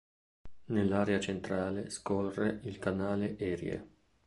Nell'area centrale scorre il canale Erie.